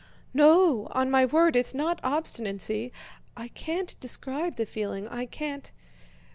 "No, on my word it's not obstinacy! I can't describe the feeling. I can't..."